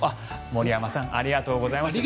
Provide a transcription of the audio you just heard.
森山さんありがとうございます。